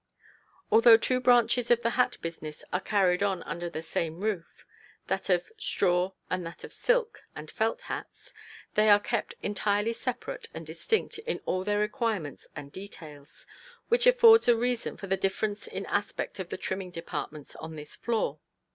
Although two branches of the hat business are carried on under the same roof (that of straw and that of silk and felt hats), they are kept entirely separate and distinct in all their requirements and details, which affords a reason for the difference in aspect of the trimming departments on this floor.